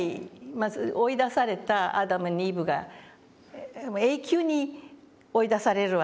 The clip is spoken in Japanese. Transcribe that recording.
まず追い出されたアダムにイブが永久に追い出されるわけじゃないですか。